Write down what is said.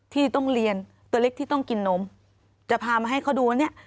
ที่ต้องเรียนตัวเล็กที่ต้องกินนมจะพามาให้เขาดูว่าเนี่ย